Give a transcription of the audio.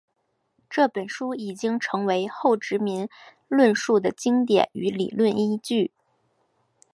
这本书已经成为后殖民论述的经典与理论依据。